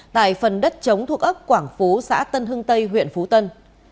tại phần đất chống thuộc ấp quảng phú xã tân hưng tây huyện phú tân